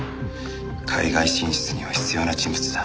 海外進出には必要な人物だ。